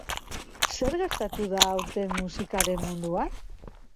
Zer gertatu da aurten musikaren munduan?